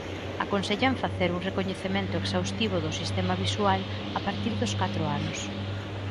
Aconsellan facer un recoñecemento exhaustivo do sistema visual a partir dos catro anos.